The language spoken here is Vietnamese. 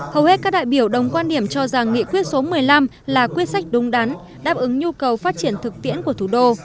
hầu hết các đại biểu đồng quan điểm cho rằng nghị quyết số một mươi năm là quyết sách đúng đắn đáp ứng nhu cầu phát triển thực tiễn của thủ đô